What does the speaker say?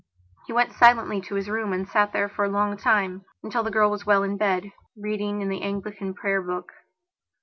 He went silently up to his room and sat there for a long timeuntil the girl was well in bedreading in the Anglican prayer book.